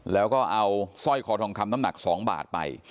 แล้วก็เอาสร้อยคอทองคำน้ำหนัก๒บาทไป